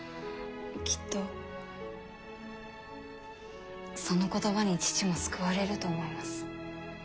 きっとその言葉に父も救われると思います。